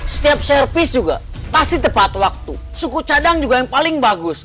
setiap servis juga pasti tepat waktu suku cadang juga yang paling bagus